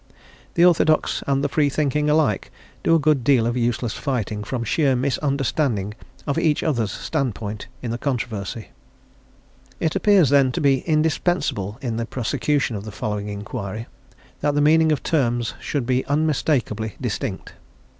The orthodox and the free thinking alike do a good deal of useless fighting from sheer misunderstanding of each other's standpoint in the controversy. It appears, then, to be indispensable in the prosecution of the following inquiry that the meaning of the terms used should be unmistakably distinct.